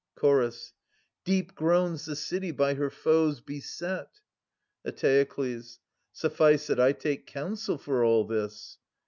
Chorus. Deep groans the city by her foes beset ! Eteokles. Su£Bce that I take counsel for all this.